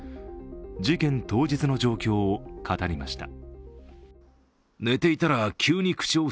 事件当日の状況を語りました。